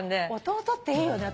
弟っていいよね。